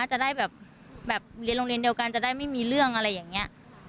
จะได้แบบเรียนโรงเรียนเดียวกันจะได้ไม่มีเรื่องอะไรอย่างนี้